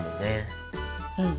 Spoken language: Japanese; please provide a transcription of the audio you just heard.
うん。